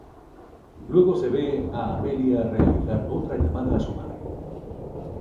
Luego se ve a Amelia realizar otra llamada a su madre.